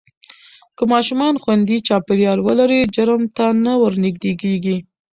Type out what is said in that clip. که ماشومان خوندي چاپېریال ولري، جرم ته نه ورنږدې کېږي.